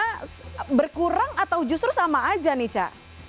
ini juga berkurang atau justru sama aja nih ca